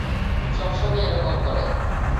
সবসমইয় এরকমই করে!